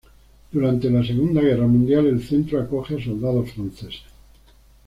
Durante la Segunda Guerra Mundial el centro acoge a soldados franceses.